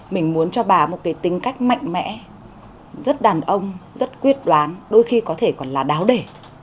mình muốn cho bà một cái tính cách mạnh mẽ rất đàn ông rất quyết đoán đôi khi có thể còn là đáo đề